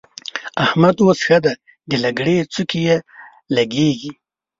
احمد اوس ښه دی؛ د لکړې څوکه يې لګېږي.